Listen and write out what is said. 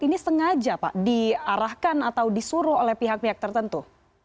ini sengaja pak diarahkan atau disuruh oleh pihak pihak tertentu